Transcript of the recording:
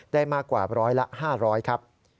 ได้มากกว่าร้อยละ๕๐๐ครับ